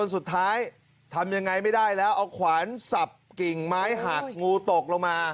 สุดท้ายทำยังไงไม่ได้แล้วเอาขวานสับกิ่งไม้หักงูตกลงมา